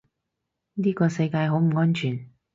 呢個世界好唔安全